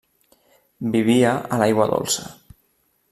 Vivia a l'aigua dolça.